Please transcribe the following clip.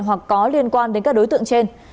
hoặc có liên quan đến các đối tượng trên